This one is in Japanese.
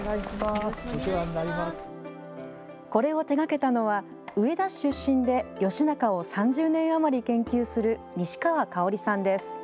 これを手がけたのは、上田市出身で義仲を３０年余り研究する西川かおりさんです。